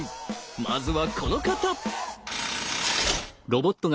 まずはこの方！